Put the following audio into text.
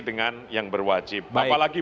dengan yang berwajib apalagi